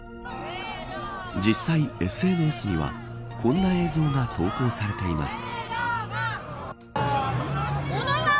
実際、ＳＮＳにはこんな映像が投稿されています。